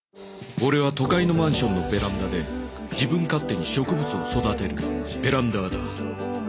「俺は都会のマンションのベランダで自分勝手に植物を育てるベランダーだ」。